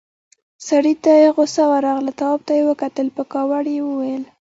سړي ته غوسه ورغله، تواب ته يې وکتل، په کاوړ يې وويل: